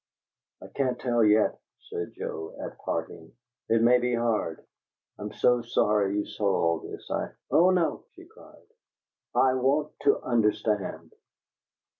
"I can't tell yet," said Joe, at parting. "It may be hard. I'm so sorry you saw all this. I " "Oh NO!" she cried. "I want to UNDERSTAND!"